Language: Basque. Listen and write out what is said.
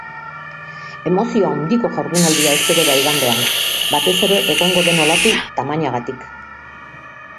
Emozio handiko jardunaldia espero da igandean, batez ere egongo den olatu tamainagatik.